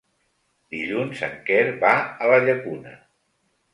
Dilluns en Quer va a la Llacuna.